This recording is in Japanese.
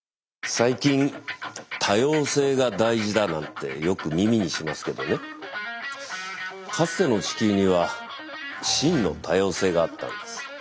最近多様性が大事だなんてよく耳にしますけどねかつての地球には真の多様性があったんです。